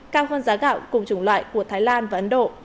cao hơn giá gạo cùng chủng loại của thái lan và ấn độ